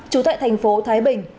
trú tại thành phố thái bình